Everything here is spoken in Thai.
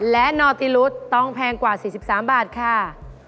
และนอติลุสต้องแพงกว่า๔๓บาทค่ะ